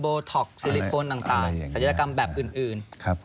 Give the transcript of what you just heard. ท็อกซิลิโคนต่างศัลยกรรมแบบอื่น